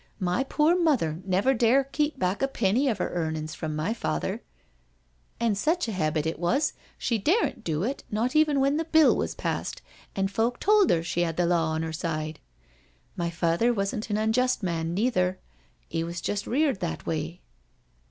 " My poor mother never dare keep back a penny of 'er earnin's from my father; and sech a habit it was she daren't do it not even when the Bill was passed and folk told her she 'ad the law on 'er side. My father wasn't an unjust man, neither — 'e was just reared that way."